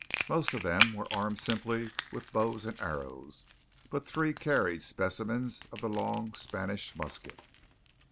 Most of them were armed simply with bows and arrows, but three carried specimens of the long Spanish musket.